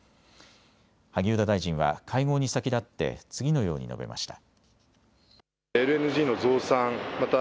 萩生田大臣は会合に先立って次のように述べました。